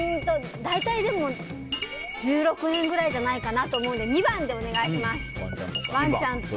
大体でも、１６年ぐらいじゃないかなと思うので２番でお願いします。